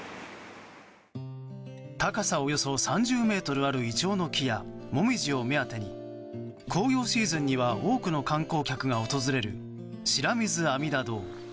高さおよそ３０ｍあるイチョウの木やモミジを目当てに紅葉シーズンには多くの観光客が訪れる白水阿弥陀堂。